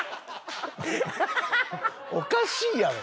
おかしいやろ！